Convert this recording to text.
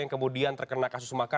yang kemudian terkena kasus makar